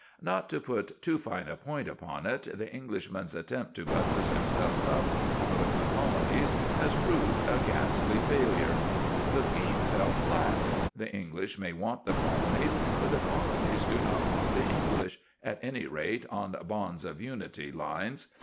Not to put too fine a point upon it, the Englishman's attempt to buttress himself up out of the Colonies has proved a ghastly failure. The scheme fell flat. The English may want the Colonies, but the Colonies do not want the English at any rate, on bonds of unity lines.